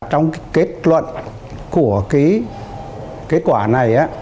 trong cái kết luận của cái kết quả này